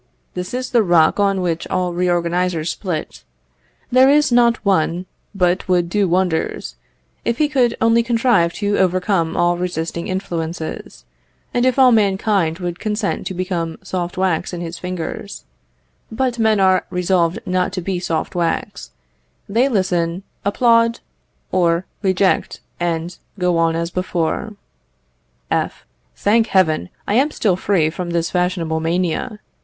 This is the rock on which all reorganizers split. There is not one, but would do wonders, if he could only contrive to overcome all resisting influences, and if all mankind would consent to become soft wax in his fingers; but men are resolved not to be soft wax; they listen, applaud, or reject, and go on as before. F. Thank heaven, I am still free from this fashionable mania.